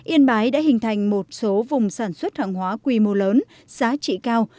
yên bái đã hình thành một số vùng sản xuất hàng hóa quy mô lớn giá trị cao